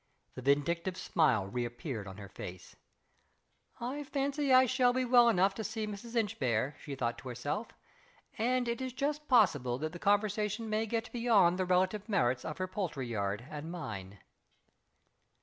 The vindictive smile reappeared on her face. "I fancy I shall be well enough to see Mrs. Inchbare," she thought to herself. "And it is just possible that the conversation may get beyond the relative merits of her poultry yard and mine."